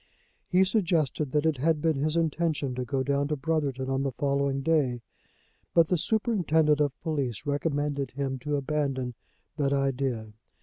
He suggested that it had been his intention to go down to Brotherton on the following day, but the Superintendent of Police recommended him to abandon that idea.